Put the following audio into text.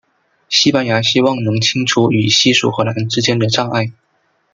西班牙希望能清除与西属荷兰之间的障碍。